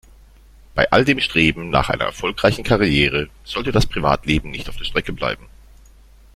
Bei all dem Streben nach einer erfolgreichen Karriere sollte das Privatleben nicht auf der Strecke bleiben.